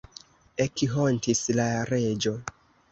Ekhontis la reĝo.